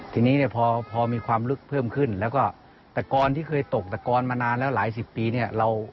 ทีนี้เนี่ยพอมีความลึกเพิ่มขึ้นแล้วก็ตะกอนที่เคยตกตะกอนมานานแล้วหลายสิบปีเนี่ย